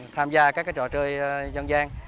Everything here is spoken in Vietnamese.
tham gia các trò chơi dân gian